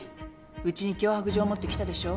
うちに脅迫状持ってきたでしょ。